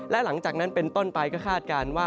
และหลังจากนั้นเป็นต้นไปก็คาดการณ์ว่า